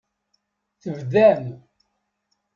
Tebdam.